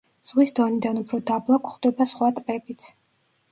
ზღვის დონიდან უფრო დაბლა გვხვდება სხვა ტბებიც.